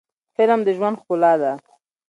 فلم د ژوند ښکلا ده